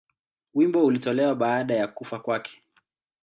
Wimbo ulitolewa baada ya kufa kwake.